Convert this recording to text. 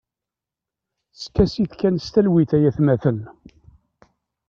Skasit kan s talwit ay atmaten.